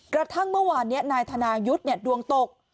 กระทั่งเมื่อวานเนี้ยนายธนายุฒร์เนี่ยดวงตก